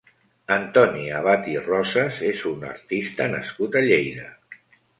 Antoni Abad i Roses és un artista nascut a Lleida.